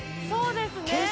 そうですね。